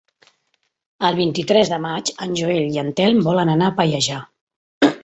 El vint-i-tres de maig en Joel i en Telm volen anar a Pallejà.